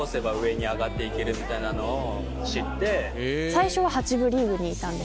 最初は８部リーグにいたんですよ。